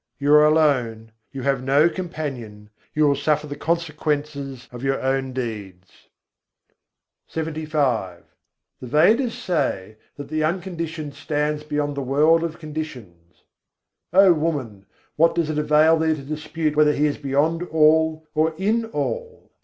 You are alone, you have no companion: you will suffer the consequences of your own deeds. LXXV III. 55. ved kahe sargun ke âge The Vedas say that the Unconditioned stands beyond the world of Conditions. O woman, what does it avail thee to dispute whether He is beyond all or in all?